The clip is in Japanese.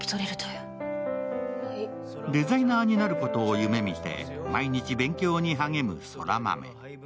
デザイナーになることを夢見て毎日勉強に励む空豆。